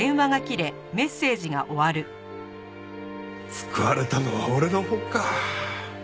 救われたのは俺のほうか。